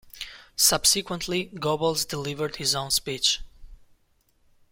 Subsequently, Goebbels delivered his own speech.